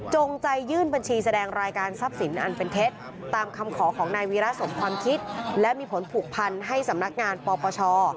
จงใจยื่นบัญชีแสดงรายการทรัพย์สินอันเป็นเท็จตามคำขอของนายวีระสมความคิดและมีผลผูกพันให้สำนักงานปปช